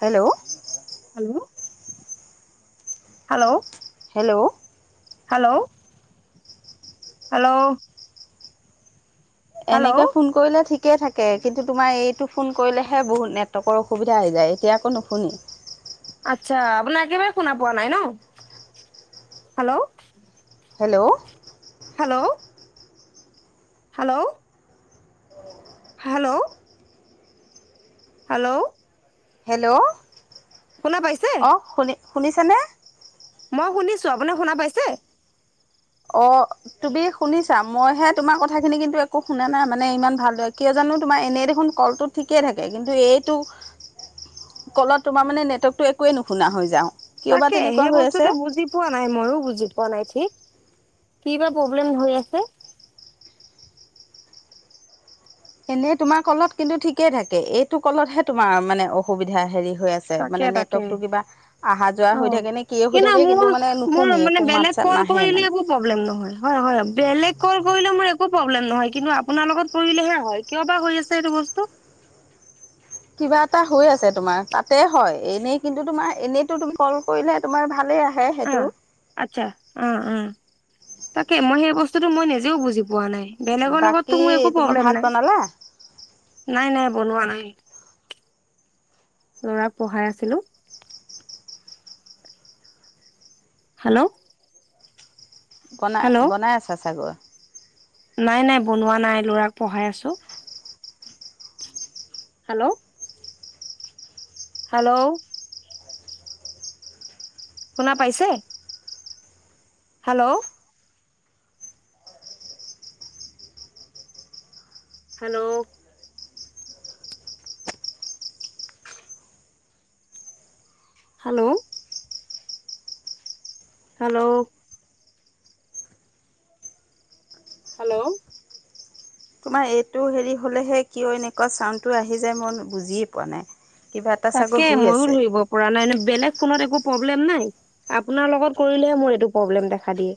Hello hello hello hello hello hello এনেকে hello phone কৰিলে ঠিক ঠিকে থাকে কিন্তু তোমাৰ এইটো ফোন কৰিলেহে বহুত নেটৱৰ্কৰ অসুবিধা হৈ যায় এতিয়া আকো নুশুনে আচ্ছা আপোনাৰ একেবাৰে শুনা পোৱা নাই ন hello hello hello hello hello hello hello শোনা পাইছে শুনিছনে মই শুনিছো আপোনি শুনা পাইছে অ তুমি শুনিছা? মইহে তোমাৰ কথা খিনি কিন্তু একো শুনা নাই মানে ইমান ভালদৰে, কিয় জানো? তোমাৰ এনেই দেখোন কলটো ঠিকে থাকে, কিন্তু এইটো [inaudible] কলত তোমাৰ মানে নেটৱৰ্কটো একোৱেই নুশুনা হৈ যাও। তাকে সেই বস্তুটো বুজি পোৱা নাই, ময়ো বুজি বনাই সি, কি বা প্ৰব্লেম হৈ আছে? এনে তোমাৰ কলত কিন্তু ঠিকে থাকে। এইটো কলতহে তোমাৰ মানে অসুবিধা হেৰি হৈ আছে। তাকে মানে তাকে নেটৱৰ্কটো কিবা অহা যোৱা অ হৈ থাকে নে কি হৈ থাকে, মোৰ কিন্তু মানে মোৰ নুশুনি। মানে একো বেলেগ মাত চাত কল নাহে কৰিলে মানে। একো প্ৰব্লেম নহয়। হয়, হয়। বেলেগ কল কৰিলে মোৰ একো প্ৰব্লেম নহয়। কিন্তু আপোনাৰ লগত কৰিলেহে হয়। কিয় বা হৈ আছে এইটো বস্তু? কিবা এটা হৈ আছে তোমাৰ। তাতে হয়, এনেই কিন্তু তোমাৰ এনেইতো তুমি কল কৰিলে তোমাৰ ভালেই আ ও আচ্ছা, উ-উ। তাকে মই সেই বস্তুতো মই নিজেও বুজি পোৱা নাই। বেলেগৰ লগতটো বাকী মোৰ একো তোমাৰ প্ৰব্লেম ভাত নাই। বনালা? নাই- নাই। বনোৱা নাই। ল'ৰাক পঢ়াই আছিলো। হেল্ল' বনা, বনাই আছা চাগৈ? নাই-নাই, বনোৱা নাই, ল'ৰাক পঢ়াই আছো। হেল্ল' হেল্লও শুনা পাইছে? Hello hello hello hello hello তোমাৰ এইটো হেৰি হলেহে কিয় এনেকুৱা চাউনটো আহি যায়, মই বুজিয়ে পোৱা নাই। কিবা এটা চাগৈ তাকে, শুই মইয়ো আছে ধৰিব পৰা নাই। এনে বেলেগ ফোনত একো প্ৰব্লেম নাই, আপোনাৰ লগত কৰিলেহে মোৰ এইটো প্ৰব্লেম দেখা দিয়ে।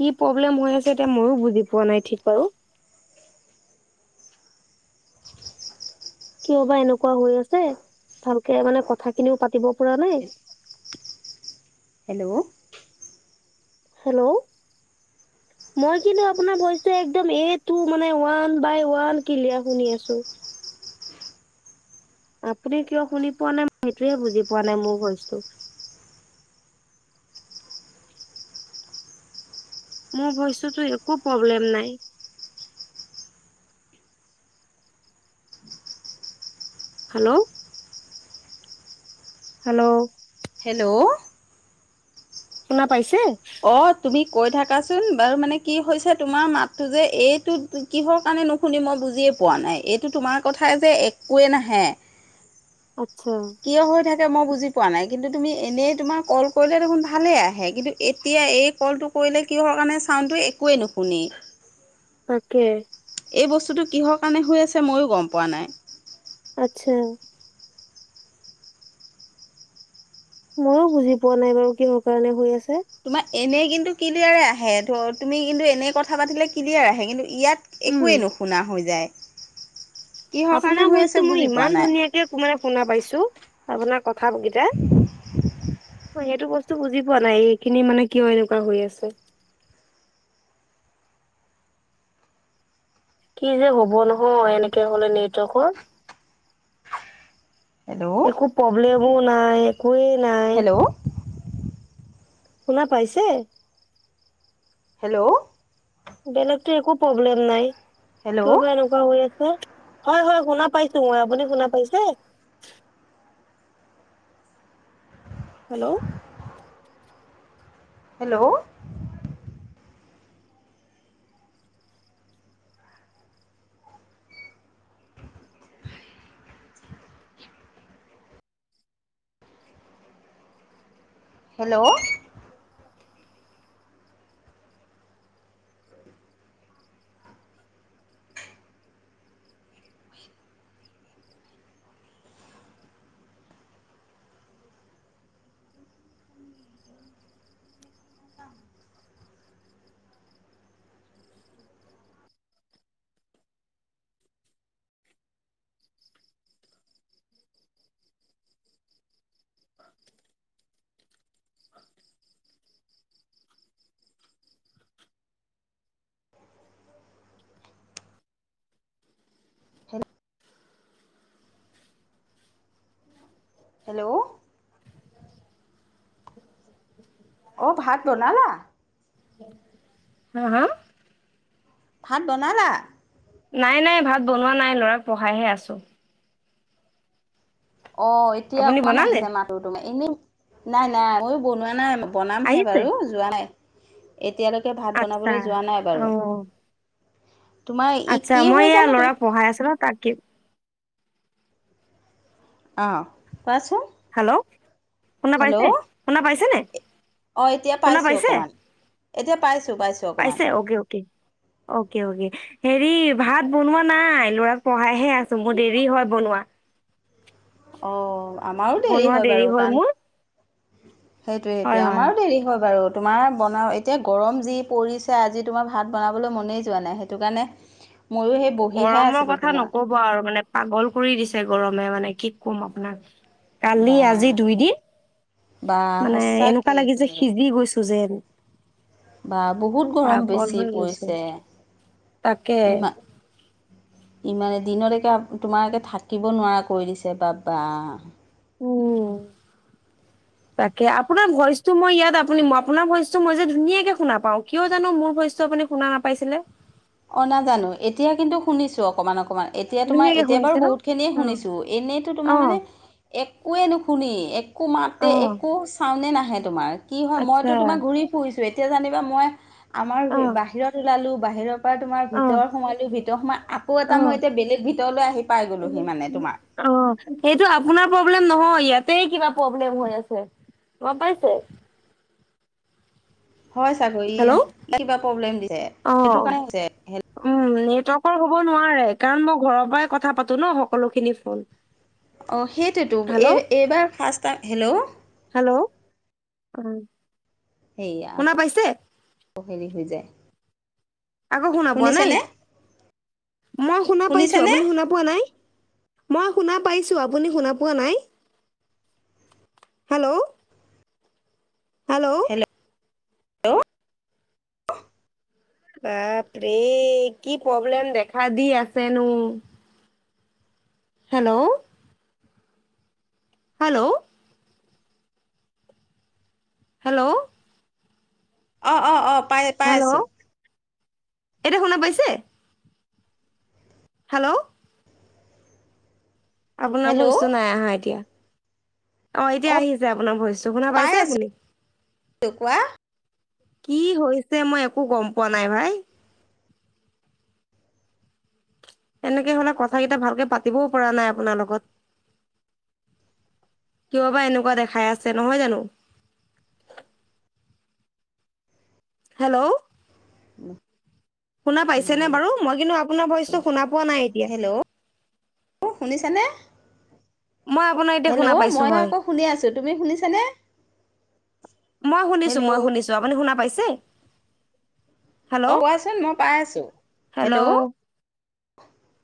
কি প্ৰব্লেম হৈ আছে, এতিয়া ময়ো বুজি পোৱা নাই ঠিক বাৰু। কিয় বা এনেকুৱা হৈ আছে, ভালকে মানে কথাখিনিও পাতিব পৰা নাই। [inaudible] হেল্ল' হেল্ল' মই কিন্তু আপোনাৰ ভইচটো একদম এ টু, মানে ওৱান বাই ওৱান কিলিয়াৰ শুনি আছো। আপুনি কিয় শুনি পোৱা নাই, সেইটোয়ে বুজি পোৱা নাই মোৰ ভইচটো। [inaudible] মোৰ ভইচতোটো একো প্ৰব্লেম নাই। হেল্ল' হেল্ল' হেল্ল' শুনা পাইছে? অ, তুমি কৈ থাকাচোন, বাৰু মানে কি হৈছে তোমাৰ মাতটো যে, এইটো কিহৰ কাৰণে নুশুনি মই বুজিয়ে পোৱা নাই, এইটো তোমাৰ কথা যে, একোৱেই নাহে। আচ্ছা। কিয় হৈ মই বুজি পোৱা নাই, কিন্তু তুমি এনেই তোমাৰ কল কৰিলে দেখোন ভালেই আহে, কিন্তু এতিয়া এই কলটো কৰিলে কিহৰ কাৰণে, চাউনটো একোৱেই নুশুনি। তাকে। এই বস্তুটো কিহৰ কাৰণে হৈ আছে, মইয়ো গম পোৱা নাই। আচ্ছা মইয়ো বুজি পোৱা নাই বাৰু, কিহৰ কাৰণে হৈ আছে তোমাৰ এনে কিন্তু ক্লিয়াৰে আহে, ধৰ তুমি কিন্তু এনে কথা পাতিলে ক্লিয়াৰ আহে, কিন্তু ইয়াত উম একোৱেই নুশুনা হৈ যায়। কিহৰ কাৰণে আপোনাৰ হৈ আছে ভইচটো মই বুজি পোৱা ইমান নাই। ধুনীয়াকে শুনা পাইছোঁ, আপোনাক কথা কেইটা। ত সেইটো বস্তু বুজি পোৱা নাই, এইখিনি মানে কিয় এনেকুৱা হৈ আছে? [inaudible] কি যে হ'ব নহয়, এনেকে হ'লে হেল্ল' নেটৱৰ্কৰ একো প্ৰব্লেমো নাই, একো একোৱে নাই, হেল্ল' শুনা পাইছে? হেল্ল' বেলেগতো একো প্ৰব্লেম নাই, হেল্ল' কিয় বা এনেকুৱা হৈ আছে হয় হয় শুনা পাইছোঁ মই। আপুনি শুনা পাইছে? Hello. Hello. Hello. Hello. Hello. অ ভাত বনালা? হা হা। ভাত বনালা? নাই নাই ভাত বনোৱা নাই ল'ৰাক পঢ়াইহে আছোঁ। অ এতিয়া আপুনি অকমান বনালে আহিলে মাততো তোমাৰ। এনেই নাই নাই ময়ো বনোৱা নাই। বনামহে আহিছে বাৰু যোৱা নাই। এতিয়ালৈকে ভাত আচ্ছা বনাবলৈ যোৱা নাই অ বাৰু। তোমাৰ ই আচ্ছা কি মই হয় এয়া জানো ল'ৰা তোমাৰ পঢ়াই আছিলোঁ তাকে। অ কোৱাচোন। হেল্ল' শুনা পাইছে? শুনা পাইছে নাই? অ এতিয়া পাইছোঁ অকণমান। এতিয়া পাইছোঁ পাইছোঁ অকণমান। পাইছে অকে অকে অকে অকে হেৰি ভাত বনোৱা নাই ল'ৰাক পঢ়াইহে আছোঁ মোৰ দেৰি হয় বনোৱা। আ। অ আমাৰো দেৰি হয় বাৰু কান। সেইটোয়ে হয় সেইটোয়ে। হয় আমাৰো দেৰি হয় বাৰু। তোমাৰ বনাওঁ এতিয়া গৰম যি পৰিছে আজি তোমাৰ ভাত বনাবলৈ মনেই যোৱা নাই। সেইটো কাৰণে। ময়ো সেই বহিহে গৰমৰ আছিলোঁ কথা তোমাৰ নকব আৰু মানে পাগল কৰি দিছে গৰমে মানে। কি ক'ম আপোনাক। কালি বা আজি দুইদিন, বা মানে এনেকুৱা সঁচাকৈ লাগি যে সিজি গৈছোঁ। টো যেন। বা বহুত গৰম পাগল বেছি হৈ গৈছোঁ। পৰিছে তাকে। ইমান ইমানে দিনতকে তোমাৰ থাকিব নোৱাৰা কৰি দিছে বাবা। উ। তাকে আপোনাৰ ভইচটো মই ইয়াত আপুনি, আপোনাৰ ভইচটো মই যে ধুনীয়াকে শুনা পাওঁ কিয় জানোঁ মোৰ ভইচট- আপুনি শুনা নাপাইছিলে? অ নাজানোঁ। এতিয়া কিন্তু শুনিছোঁ অকমান অকমান। এতিয়া তোমাৰ ধুনীয়াকে এতিয়া বাৰু শুনিছে ন বহুত খিনিয়ে অ শুনিছোঁ। এনেইতো তোমাৰ অ মানে এক একোৱেই নুশুনি একো মাতে অ একো চাউনে নাহে তোমাৰ। কি হয় মইতো আচ্ছা তোমাৰ ঘূৰি ফুৰিছোঁ। তো এতিয়া জানিবা মই আমাৰ অ বাহিৰত ওলালোঁ বাহিৰত। তাৰ তোমাৰ অ ভিতৰত সোমালোঁ ভিতৰ সোমাই আকৌ অ এটা মই এতিয়া বেলেগ ভিতৰলৈ আহি পাই গ'লোহি মানে তোমাৰ। সেইটো আপোনাৰ। প্ৰব্লেক নহয় ইয়াতেই কিবা প্ৰব্লেম হৈ আছে গম পাইছে। হয় চাগৈ হেল্ল' কিবা প্ৰব্লেম দিছে সেইটো কাৰ তৰ্ক হব নোৱাৰে কাৰণ মই ঘৰৰ পৰাই কথা পাতো ন সকলোখিনি ফোন। অঁ সেইটোৱেতো। এই হেল্ল' এইবাৰ ফাৰ্ষ্ট টাই, হেল্ল'। উম। শুনা পাইছে? অ হেৰি হৈ যায়। আকৌ শুনা পোৱা নাই? শুনিছেনে মই শুনা পাইছো শুনিছেনে আপুনি শুনা পোৱা নাই? মই শুনা পাইছোঁ। আপুনি শুনা পোৱা নাই? Hello hello. হেল্ল'। বাপৰে কি প্ৰব্লেম দেখা দি আছেনো। হেল্ল'। হেল্ল'। হেল্ল'। অ, অ, অ পাই পাই আছো। হেল্ল' এতিয়া শুনা পাইছে? হেল্ল'। আপোনাৰ হেল্ল' ভইচটো নাই আহা এতিয়া। অ' অ এতিয়া আহি আছে আপোনাৰ ভইচ ত' শুনা পাই পাইছো আছো আপুনি? কোৱা? কি হৈছে মই একো গম পোৱা নাই ভাই এনেকে হলে কথাকেইটা ভালকে পাতিবও পৰা নাই আপোনাৰ লগত। কিয়বা এনেকুৱা দেখাই আছে নহয় জানো? হেল্ল'। উম। শুনা পাইছেনে বাৰু? মই কিন্তু আপোনাৰ ভইচটো শুনা পোৱা নাই এতিয়া। অ, শুনিছানে? মই আপোনাৰ এতিয়া শুনা হেল্ল'। পাইছো মইও হয় আকৌ শুনি আছো, তুমি শুনিছানে? মই শুনিছো, হেল্ল' মই অ শুনিছো আপুনি শুনা পাইছে? অ' হেল্ল' কোৱাচোন মই পাই আছো, হেল্ল'।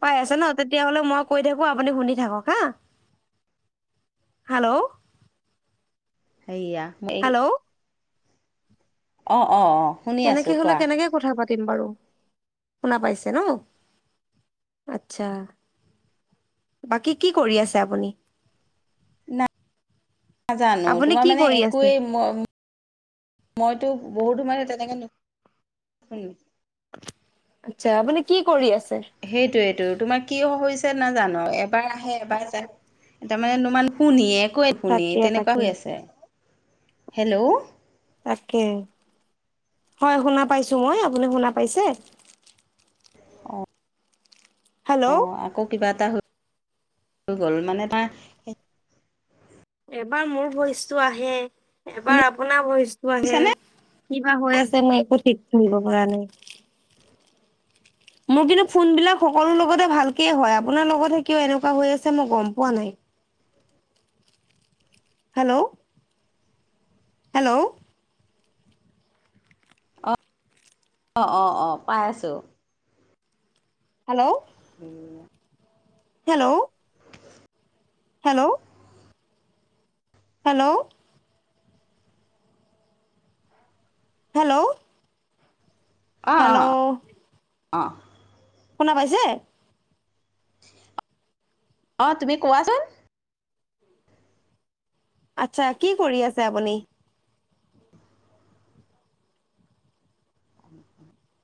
পাই আছে ন? তেতিয়াহলে মই কৈ থাকো আপুনি শুনি থাকক হা। হেল্ল'। সেইয়া। হেল্ল' অ, অ, অ। শুনি আছো এনেকে হলে কোৱা কেনেকে কথা পাতি ম বাৰু। শুনা পাইছে ন? আচ্ছা। বাকী কি কৰি আছে আপুনি? না নাজানো আপুনি তোমাৰ কি মানে কৰি আছে একোৱেই মইতো বহুতো মানে তেনেকে শু আত্ছা, আপুনি কি কৰি আছে? সেইটোয়েইটো তোমাৰ কিয় হৈছে? ছে নাজানো এবাৰ আহে এবাৰ যায়, তাৰমানে তোমান শুনিয়ে ক আপুনি তাকে তেনেকুৱা তাকে হৈ আছে, হেল্ল'। তাকে। হয় শুনা পাইছোঁ মই, আপুনি শুনা পাইছে? অ হেল্ল' অ' আকৌ কিবা এটা হৈ গ'ল মানে তাৰ এবাৰ মোৰ ভইচটো আহে এবাৰ আপোনাৰ ভইচটো আহে। শুনিছানে? কিবা হৈ আছে মই একো ঠিক কৰিব পৰা নাই। মোৰ কিন্তু ফোন বিলাক সকলো লগতে ভালকে হয়। আপোনাৰ লগতহে কিয় এনেকুৱা হৈ আছে মই গম পোৱা নাই? [unintelligible] হেল্ল'? হেল্ল'? অ', অ' - অ' - অ', পাই আছোঁ। হেল্ল'? হেয়া হেল্ল'? হেল্ল'? হেল্ল'? হেল্ল'? অ' অ' হেল্ল'? অ' শুনা পাইছে? অ', তুমি কোৱাচোন? আচ্ছা, কি কৰি আছে আপুনি? [unintelligible]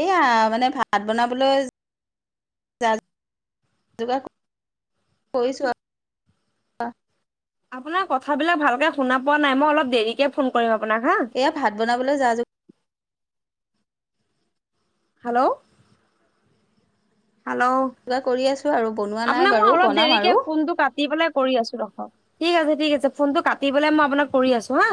এয়া মানে ভাত বনাবলৈ যা- যোগা কৰিছোঁ আৰু। [inaudible] আপোনাৰ কথাবিলাক ভালকে শুনা পোৱা নাই। মই অলপ দেৰিকে ফোন কৰিম আপোনাক হা এয়া ভাত বনাবলৈ যা-যোগ হেল্ল'? হেল্ল'? যোগাৰ কৰি আছোঁ আৰু বনোৱা নাই আপোনাক মই বাৰু অলপ বনাম দেৰিকে আৰু। ফোনটো কাটি পেলাই কৰি আছোঁ ৰখক। ঠিক আছে - ঠিক আছে। ফোনটো কাটি পেলাই মই আপোনাক কৰি আছোঁ হা?